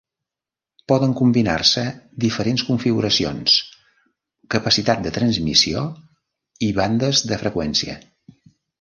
Poden combinar-se diferents configuracions, capacitat de transmissió i bandes de freqüència.